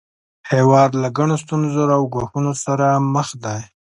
هیواد له ګڼو ستونزو او ګواښونو سره مخ دی